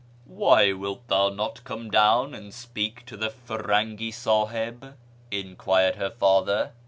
" Why wilt thou not come down and speak to the Firangi Sahib ?" enquired her father.